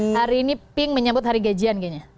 hari ini pink menyambut hari gajian kayaknya